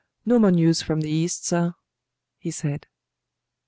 "No more news from the East, sir," he said.